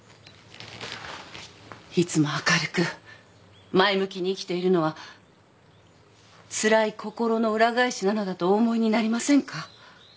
いつも明るく前向きに生きているのはつらい心の裏返しなのだとお思いになりませんか？